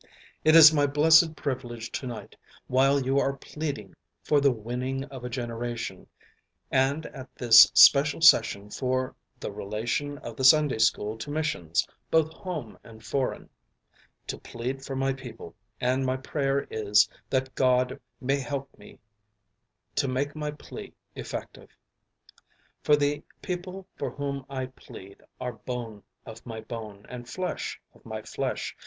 It is my blessed privilege to night, while you are pleading for the "Winning of a generation," and at this special session for "the relation of the Sunday school to missions, both home and foreign," to plead for my people, and my prayer is that God may help me to make my plea effective. For the people for whom I plead are bone of my bone and flesh of my flesh.